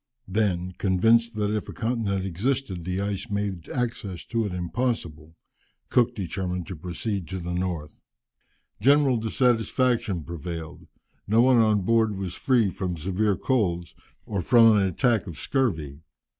Then, convinced that if a continent existed the ice made access to it impossible, Cook determined to proceed to the North. General dissatisfaction prevailed; no one on board was free from severe colds, or from an attack of scurvy.